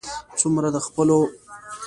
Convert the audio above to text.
څومره څه د خپلو احساساتو لپاره پیدا کړي.